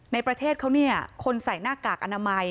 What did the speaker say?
ในประเทศเขาเนี่ยคนใส่หน้ากากอนามัย